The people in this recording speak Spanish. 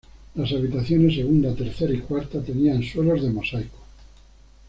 Las habitaciones segunda, tercera y cuarta tenían suelos de mosaico.